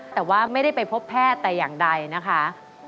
แต่ว่าไม่ได้ไปพบแพทย์แต่อย่างใดนะคะ